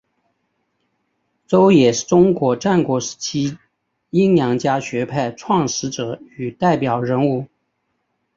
邹衍是中国战国时期阴阳家学派创始者与代表人物。